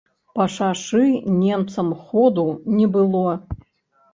Па шашы немцам ходу не было.